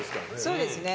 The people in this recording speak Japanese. そうですね。